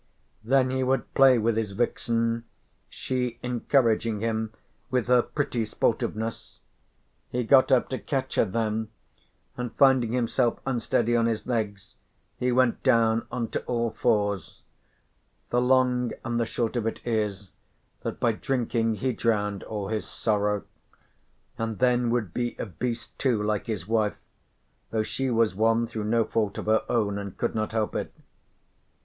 Then he would play with his vixen, she encouraging him with her pretty sportiveness. He got up to catch her then and finding himself unsteady on his legs, he went down on to all fours. The long and the short of it is that by drinking he drowned all his sorrow; and then would be a beast too like his wife, though she was one through no fault of her own, and could not help it.